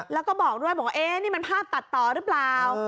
แล้วก็บอกด้วยบอกว่านี่มันภาพตัดต่อหรือเปล่า